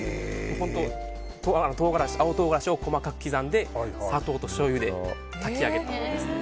本当に青唐辛子を細かく刻んで砂糖としょうゆで炊き上げたものですね。